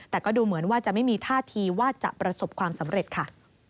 แต่ก็ดูเหมือนว่าจะไม่มีท่าทีว่าจะประสบความสำเร็จค่ะ